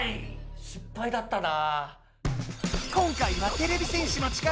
失敗だったな。